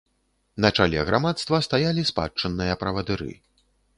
На чале грамадства стаялі спадчынныя правадыры.